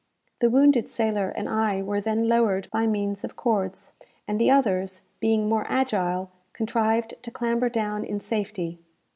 The wounded sailor and I were then lowered by means of cords, and the others, being more agile, contrived to clamber down in safety.